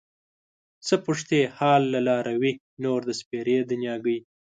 څه پوښتې حال له لاروي نور د سپېرې دنياګۍ